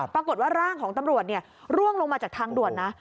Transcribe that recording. ปรากฏว่าร่างของตำรวจร่วงลงมาจากทางด่วนนะ